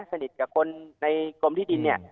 สนิทกับคนในกรมที่ดินเนี่ย